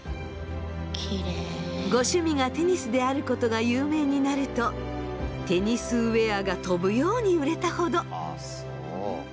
ご趣味がテニスであることが有名になるとテニスウエアが飛ぶように売れたほど。